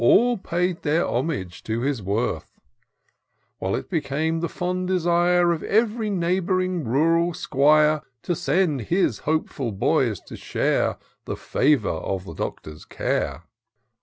All paid their homage to his worth ; While it became the fond desire Of ev'ry neighboring rural 'squire To send his hopeful boys to share The favour of the Doctor's care.